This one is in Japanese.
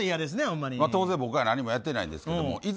当然僕は何もやっていないんですけどいざ